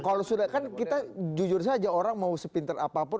kalau sudah kan kita jujur saja orang mau sepinter apapun